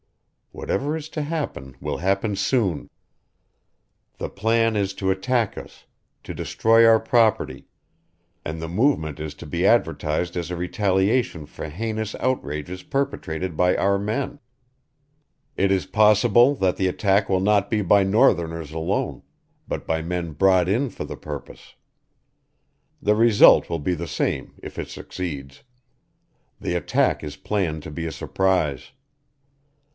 Whatever is to happen will happen soon. The plan is to attack us, to destroy our property, and the movement is to be advertised as a retaliation for heinous outrages perpetrated by our men. It is possible that the attack will not be by northerners alone, but by men brought in for the purpose. The result will be the same if it succeeds. The attack is planned to be a surprise.